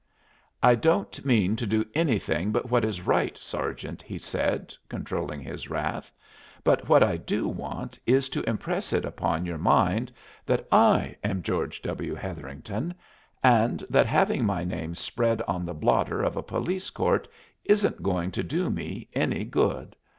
"I don't mean to do anything but what is right, sergeant," he said, controlling his wrath, "but what I do want is to impress it upon your mind that I am George W. Hetherington, and that having my name spread on the blotter of a police court isn't going to do me any good.